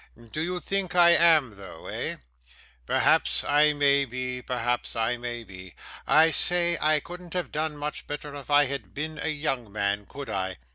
Do you think I am though, eh? Perhaps I may be, perhaps I may be. I say, I couldn't have done much better if I had been a young man, could I?